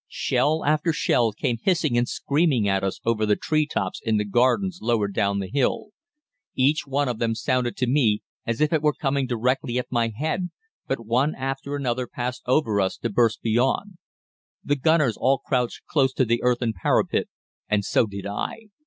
Shell after shell came hissing and screaming at us over the tree tops in the gardens lower down the hill. Each one of them sounded to me as if it were coming directly at my head, but one after another passed over us to burst beyond. The gunners all crouched close to the earthen parapet and so did I.